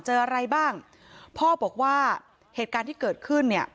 อะไรบ้างพ่อบอกว่าเหตุการณ์ที่เกิดขึ้นเนี่ย